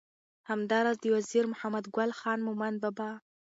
همدا راز د وزیر محمد ګل خان مومند بابا